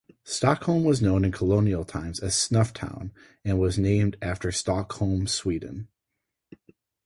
Stockholm was known in colonial times as Snufftown and was named after Stockholm, Sweden.